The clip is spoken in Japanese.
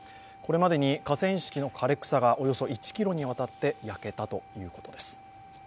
これまでに河川敷の枯れ草がおよそ１ｋｍにわたって焼けたということです。